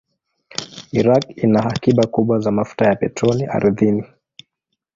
Iraq ina akiba kubwa za mafuta ya petroli ardhini.